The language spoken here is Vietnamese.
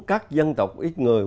các dân tộc ít người